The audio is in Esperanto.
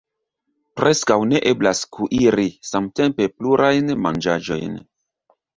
Preskaŭ ne eblas kuiri samtempe plurajn manĝaĵojn.